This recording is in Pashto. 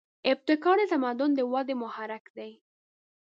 ابتکار د تمدن د ودې محرک دی.